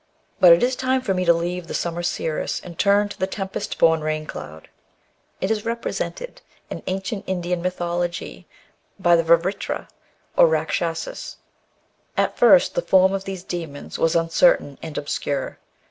But it is time for me to leave the summer cirrus and turn to the tempest bom rain cloud. It is represented 12 178 THE BOOK OF WERE WOLVES. in ancient Indian mythology by the Vritra or Eakshasas. At first the form of these daemons was uncertain and obscure.